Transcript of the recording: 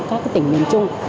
kể cả trong các tỉnh miền trung